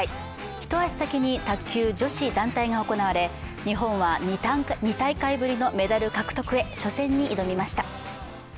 一足先に卓球女子団体が行われ、日本は２大会ぶりのメダル獲得へ初戦に挑みました。